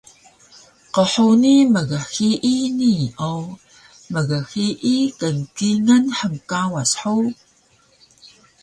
Qhuni mghiyi nii o mghiyi kngkingal hngkawas hug?